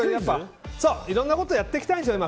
いろんなことをやっていきたいんでしょうね